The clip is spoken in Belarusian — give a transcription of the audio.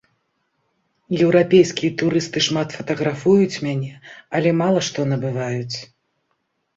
Еўрапейскія турысты шмат фатаграфуюць мяне, але мала што набываюць.